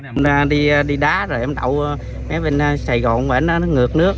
hôm nay đi đá rồi em đậu mấy bên sài gòn nó ngược nước